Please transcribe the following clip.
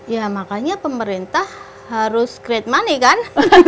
ya makanya pemerintah harus great money kan